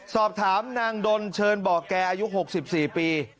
สอบถามนางดนเชิญบ่อแก่อายุ๖๔ปี